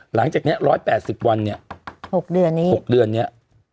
หลังจากเนี่ย๑๘๐วันเนี่ย๖เดือนเนี่ย